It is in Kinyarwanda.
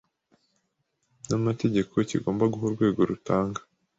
n amategeko kigomba guha urwego rutanga